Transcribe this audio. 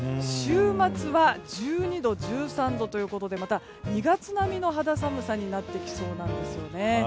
週末は１２度、１３度ということでまた２月並みの肌寒さになってきそうなんですね。